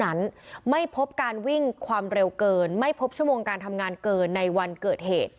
นั้นไม่พบการวิ่งความเร็วเกินไม่พบชั่วโมงการทำงานเกินในวันเกิดเหตุ